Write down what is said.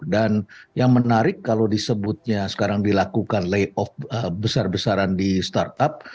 dan yang menarik kalau disebutnya sekarang dilakukan layoff besar besaran di startup